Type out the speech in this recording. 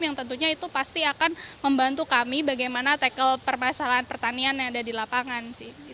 yang tentunya itu pasti akan membantu kami bagaimana tackle permasalahan pertanian yang ada di lapangan